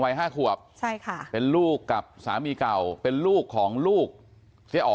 ห้าขวบใช่ค่ะเป็นลูกกับสามีเก่าเป็นลูกของลูกเจ๊อ๋อ